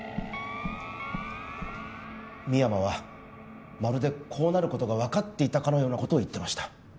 深山はまるでこうなることが分かっていたかのようなことを言ってました